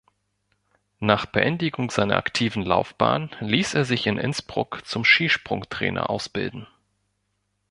Nach Beendigung seiner aktiven Laufbahn ließ er sich in Innsbruck zum Skisprung-Trainer ausbilden.